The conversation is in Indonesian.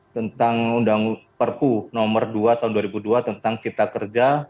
tentang perpu nomor dua tahun dua ribu dua tentang cipta kerja